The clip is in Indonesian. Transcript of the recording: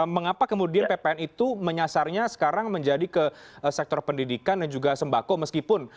mengapa kemudian ppn itu menyasarnya sekarang menjadi ke sektor pendidikan dan juga sembako meskipun